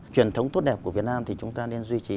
truyền thống tốt đẹp của việt nam thì chúng ta nên duy trì